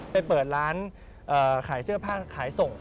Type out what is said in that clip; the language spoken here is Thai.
ไปเปิดร้านขายเสื้อผ้าขายส่ง